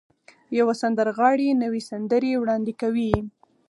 يوه سندرغاړې نوې سندرې وړاندې کوي.